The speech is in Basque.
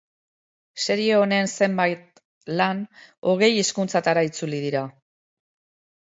Serie honen zenbait lan hogei hizkuntzatara itzuli dira.